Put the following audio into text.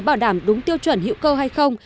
bảo đảm đúng tiêu chuẩn hữu cơ hay không